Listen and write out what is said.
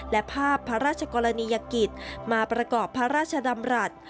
และภาพพระราชกรณียกิจมาประกอบพระราชดำรัฐ